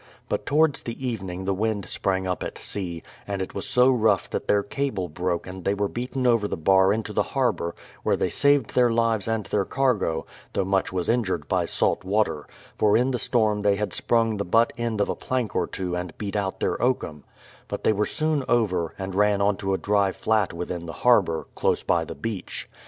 But towards the evening the wind sprang up at sea, and it was so rough that their cable broke and they were beaten over the bar into the harbour, where they saved their lives and their cargo, though much was injured by salt water, for in the storm they had sprung the butt end of a plank or two and beat out their oakum; but they were soon over, and ran onto a dry flat within the harbour, close by the beach.